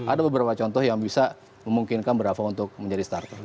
ada beberapa contoh yang bisa memungkinkan bravo untuk menjadi starter